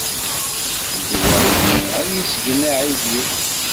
Ddwa-yi ad yesgen aɛidiw.